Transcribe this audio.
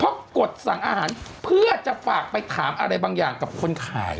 เพราะกดสั่งอาหารเพื่อจะฝากไปถามอะไรบางอย่างกับคนขาย